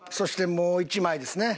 もう１枚ですね。